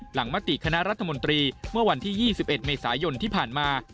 มติคณะรัฐมนตรีเมื่อวันที่๒๑เมษายนที่ผ่านมา